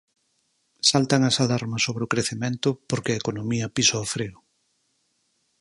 Saltan as alarmas sobre o crecemento porque a economía pisa o freo.